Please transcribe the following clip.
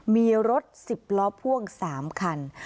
มีรถ๑๐ล้อพ่วง๓คัน